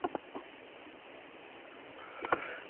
En la actualidad reside en Vancouver, Washington.